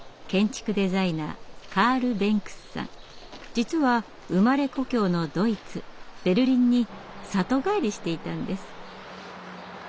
実は生まれ故郷のドイツ・ベルリンに里帰りしていたんです。